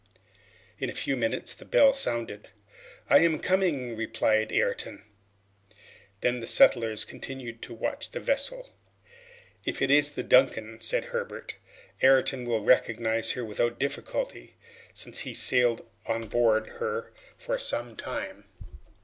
In a few minutes the bell sounded. "I am coming," replied Ayrton. Then the settlers continued to watch the vessel. "If it is the 'Duncan,'" said Herbert, "Ayrton will recognize her without difficulty, since he sailed on board her for some time."